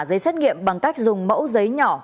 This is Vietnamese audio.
giấy xét nghiệm bằng cách dùng mẫu giấy nhỏ